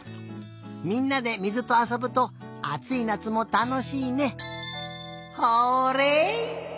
みんなで水とあそぶとあついなつもたのしいね。